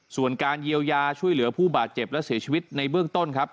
ส่วนการเยียวยาช่วยเหลือผู้บาดเจ็บและเสียชีวิตในเบื้องต้นครับ